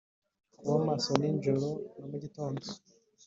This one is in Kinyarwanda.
Kuba maso ninjoro namugitondo